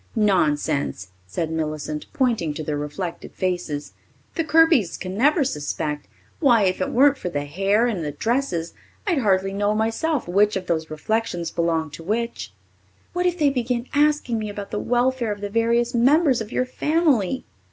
"Nonsense," said Millicent, pointing to their reflected faces. "The Kirbys can never suspect. Why, if it weren't for the hair and the dresses, I'd hardly know myself which of those reflections belonged to which." "What if they begin asking me about the welfare of the various members of your family?"